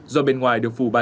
do bên ngoài được phụ bán